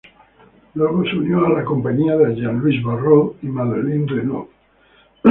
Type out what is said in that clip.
Luego se unió a la compañía de Jean-Louis Barrault y Madeleine Renaud.